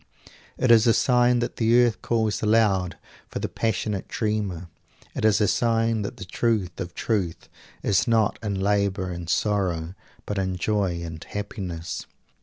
It is a sign that the earth calls aloud for the passionate dreamer. It is a sign that the truth of truth is not in labor and sorrow, but in joy and happiness.